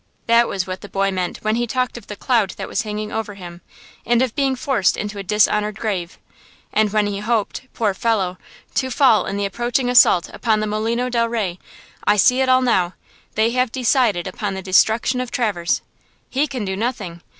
That was what the boy meant when he talked of the cloud that was hanging over him, and of being forced into a dishonored grave, and when he hoped, poor fellow, to fall in the approaching assault upon the Molino del Rey! I see it all now. They have decided upon the destruction of Traverse. He can do nothing.